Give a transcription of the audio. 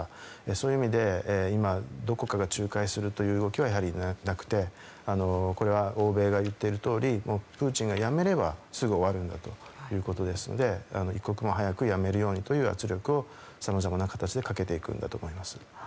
そういう意味でどこかが仲介するという動きはやはりなくてこれは欧米が言っているとおりプーチンがやめればすぐ終わるんだということなので一刻も早くやめるようにという圧力をさまざまな形でかけていくんだと思います。